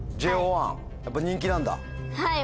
はい。